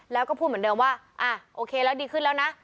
แล้วก็พูดเหมือนเดิมว่าโอเคแล้วดีขึ้นแล้วนะ